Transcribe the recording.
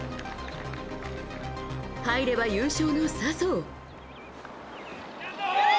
入れば優勝の笹生。